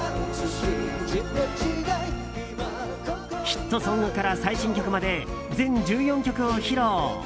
ヒットソングから最新曲まで全１４曲を披露。